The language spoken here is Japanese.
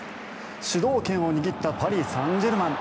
主導権を握ったパリ・サンジェルマン。